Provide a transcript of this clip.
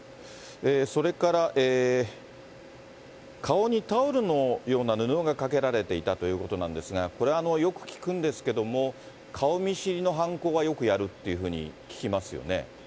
それから顔にタオルのような布がかけられていたということなんですが、これ、よく聞くんですけども、顔見知りの犯行がよくやるというふうに聞きますよね。